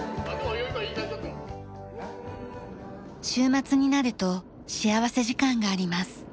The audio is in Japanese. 週末になると幸福時間があります。